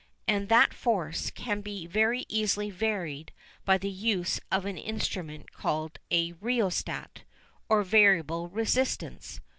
And that force can be very easily varied by the use of an instrument called a "rheostat" or variable resistance.